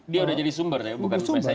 dia udah jadi sumber nih bukan messenger deh